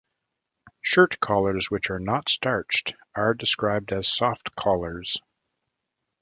Shirt collars which are not starched are described as "soft collars".